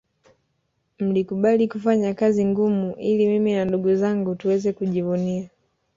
Mlikubali kufanya kazi ngumu ili mimi na ndugu zangu tuweze kujivunia